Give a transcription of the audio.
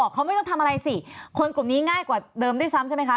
เขาไม่ต้องทำอะไรสิคนกลุ่มนี้ง่ายกว่าเดิมด้วยซ้ำใช่ไหมคะ